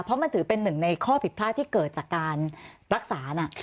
เพราะมันถือเป็นหนึ่งในข้อผิดพลาดที่เกิดจากการรักษาน่ะ